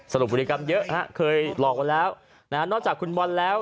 สรุปบุฏิกรรมเยอะเคยหลอกวันแล้วนอกจากคุณบอลแล้ว